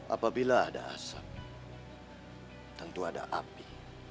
apabila ada asap tentu ada api